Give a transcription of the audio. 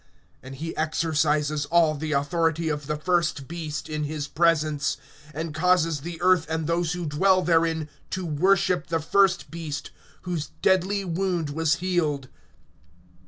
(12)And he exercises all the authority of the first beast in his presence, and causes the earth and those who dwell therein to worship the first beast, whose deadly wound was healed.